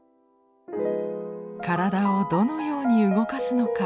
体をどのように動かすのか